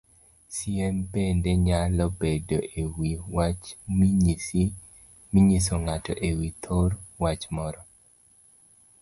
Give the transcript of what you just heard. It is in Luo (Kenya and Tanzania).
Siem bende nyalo bedo ewii wach minyiso ng'ato ewi thor wach moro